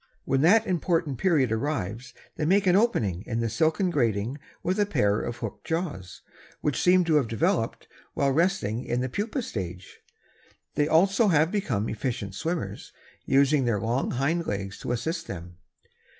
When that important period arrives they make an opening in the silken grating with a pair of hooked jaws, which seem to have developed while resting in the pupa state. They also have become efficient swimmers, using their long hind legs to assist them.